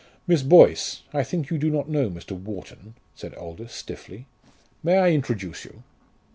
"Miss Boyce, I think you do not know Mr. Wharton," said Aldous, stiffly. "May I introduce you?"